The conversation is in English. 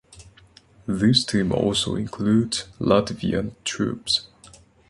This team also includes Latvian troops.